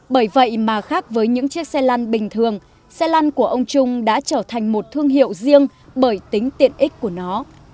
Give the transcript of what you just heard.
bởi vậy mà khác với những chiếc xe lăn bình thường xe lăn của ông trung đã trở thành một thương hiệu riêng bởi tính tiện ích của nó